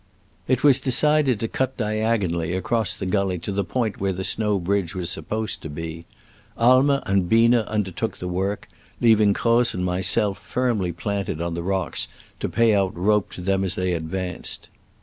It was decided to cut diagonally across the gully to the point where the snow bridge was supposed to be. Aimer and Biener undertook the work, leaving Croz and MY ICB AXB. myself firmly planted on the rocks to pay out rope to them as they advanced.